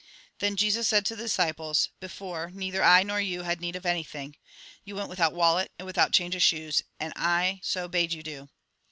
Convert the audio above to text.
Then Jesus said to the disciples :" Before, neither I nor you had need of anything. You went with out wallet and without change of shoes, and I so bade you do.